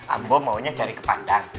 ambo maunya cari kepadang